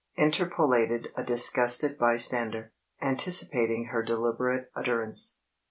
interpolated a disgusted bystander, anticipating her deliberate utterance.